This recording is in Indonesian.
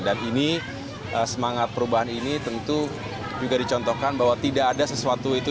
dan ini semangat perubahan ini tentu juga dicontohkan bahwa tidak ada sesuatu itu